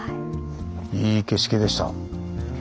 いい景色でした。